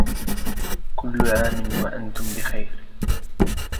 كلّ عامٍ وأنتم بخير.